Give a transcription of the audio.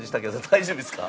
大丈夫です。